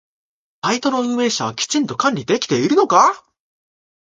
サイトの運営者はきちんと管理できているのか？